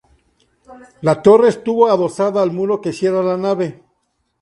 La torre estuvo adosada al muro que cierra la nave.